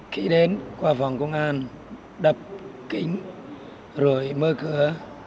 khi đến qua vòng công an đập kính rồi mơ cửa